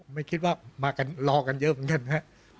ไม่คิดว่ามากันรอกันเยอะเหมือนกันนะครับ